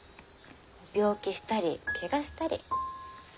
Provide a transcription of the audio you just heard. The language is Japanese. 病気したりけがしたり。